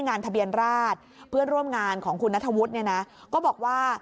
งานทะเบียนราชเพื่อนร่วมงานของคุณนัทวุฒิเนี่ยนะก็บอกว่า